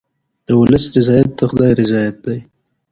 د ولس رضایت د خدای رضایت دی.